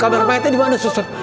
kamar mayatnya di mana suster